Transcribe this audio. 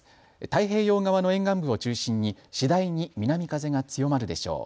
太平洋側の沿岸部を中心に次第に南風が強まるでしょう。